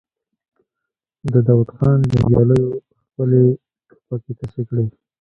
د داوود خان جنګياليو خپلې ټوپکې تشې کړې.